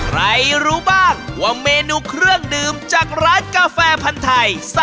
รู้บ้างว่าเมนูเครื่องดื่มจากร้านกาแฟพันธ์ไทย